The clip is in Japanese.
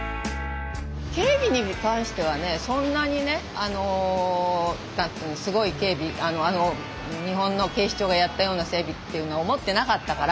警備に関してはそんなにねすごい警備日本の警視庁がやったような警備っていうのは思ってなかったから。